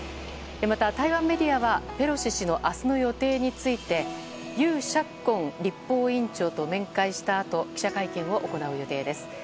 また、台湾メディアはペロシ氏の明日の予定についてユウ・シャッコン立法院長と面会したあと記者会見を行う予定です。